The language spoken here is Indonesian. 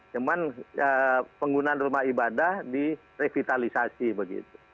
cuma penggunaan rumah ibadah di revitalisasi begitu